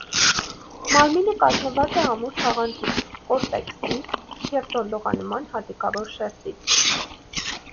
Մարմինը կազմված է ամուր թաղանթից՝ կորտեքսից և դոնդողանման, հատիկավոր շերտից։